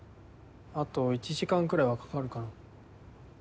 あと１時間くらいはかかるから。